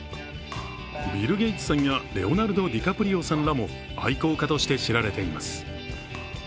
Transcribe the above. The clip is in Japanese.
ビル・ゲイツさんや、レオナルド・ディカプリオさんらも愛好家として知られています。